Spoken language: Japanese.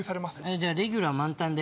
じゃあレギュラー満タンで。